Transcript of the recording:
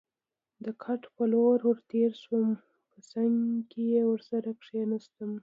د کټ په لور ور تېر شوم، په څنګ کې ورسره کېناستم.